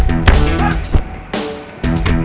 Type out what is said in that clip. beneran pakan seneng